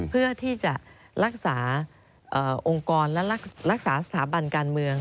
เพื่อที่จะรักษาองค์กรและรักษาสถาบันการเมือง